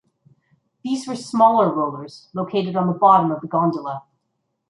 These were smaller rollers located on the bottom of the gondola.